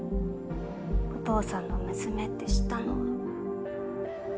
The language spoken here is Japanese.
お父さんの娘って知ったのは。